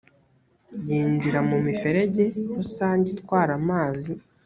yinjira mu miferege rusange itwara amazi